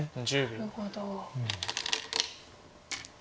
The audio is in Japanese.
なるほど。